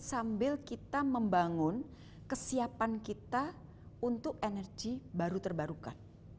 sambil kita membangun kesiapan kita untuk energi baru terbarukan